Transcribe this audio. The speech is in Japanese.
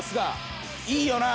いいよな。